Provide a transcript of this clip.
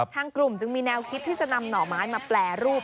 ทางกลุ่มจึงมีแนวคิดที่จะนำหน่อไม้มาแปรรูป